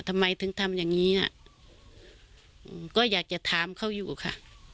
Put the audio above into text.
ทำไมถึงทำอย่างงี้อ่ะอืมก็อยากจะถามเขาอยู่ค่ะ